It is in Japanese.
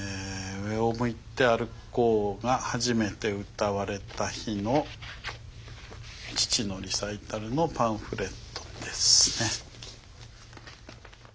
「上を向いて歩こう」が初めて歌われた日の父のリサイタルのパンフレットですね。